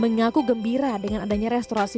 mengaku gembira dengan adanya restorasi